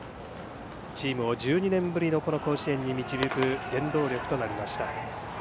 チームを１２年ぶりの甲子園に導く原動力となりました。